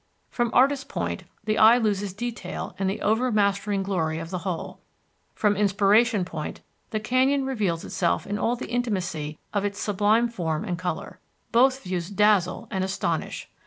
From Artists' Point the eye loses detail in the overmastering glory of the whole. From Inspiration Point the canyon reveals itself in all the intimacy of its sublime form and color. Both views dazzle and astonish.